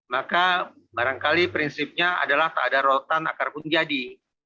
maka barangkali prinsipnya adalah tak ada rotan akar pun jadi